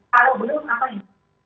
kalau belum ngapain